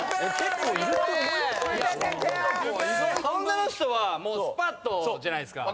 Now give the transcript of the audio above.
女の人はもうすぱっとじゃないですか。